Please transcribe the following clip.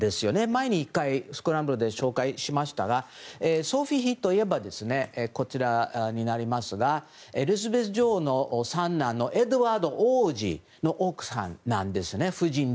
前に１回、「スクランブル」で紹介しましたがソフィー妃といえばエリザベス女王の三男のエドワード王子の奥さんなんですね。